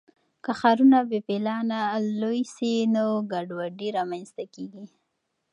که ښارونه بې پلانه لوی سي نو ګډوډي رامنځته کیږي.